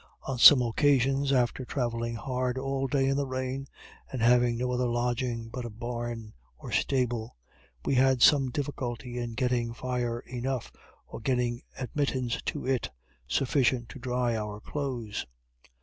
On some occasions, after travelling hard all day in the rain, and having no other lodging but a barn or stable, we had some difficulty in getting fire enough, or getting admittance to it, sufficient to dry our clothes.